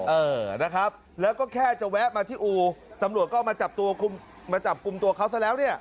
เออนะครับแล้วก็แค่จะแวะมาที่อู่ตำรวจก็มาจับตัวคุมมาจับกลุ่มตัวเขาซะแล้วเนี่ย